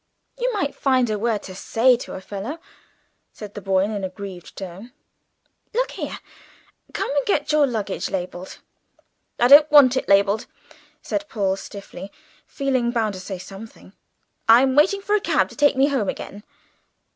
"You might find a word to say to a fellow!" said the boy in an aggrieved tone. "Look here; come and get your luggage labelled." "I don't want it labelled," said Paul stiffly, feeling bound to say something. "I'm waiting for a cab to take me home again."